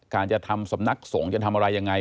จะทำสำนักสงฆ์จะทำอะไรยังไง